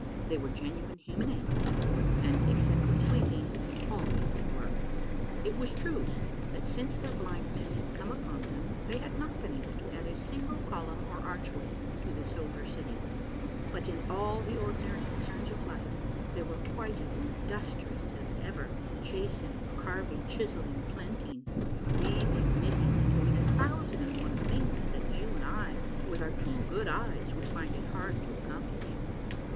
They were genuine human ants and, ex cept when sleeping, always at work. It was true that since their blindness had come upon them they had not been able to add a single column or archway to the Silver City, but in all the ordinary concerns of life they were quite as industrious as ever, chasing, carving, chiselling, planting, weaving, knitting, and doing a thousand and one things that you and I with our two good eyes would find it hard to accomplish.